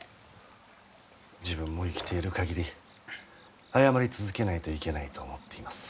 自分も生きている限り謝り続けないといけないと思っています。